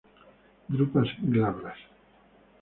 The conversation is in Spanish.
Drupas glabras.